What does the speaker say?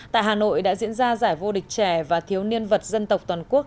tại hà nội đã diễn ra giải vô địch trẻ và thiếu niên vật dân tộc toàn quốc